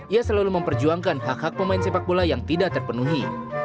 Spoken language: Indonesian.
ia selalu memperjuangkan hak hak pemain sepak bola yang tidak terpenuhi